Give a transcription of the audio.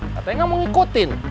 katanya gak mau ngikutin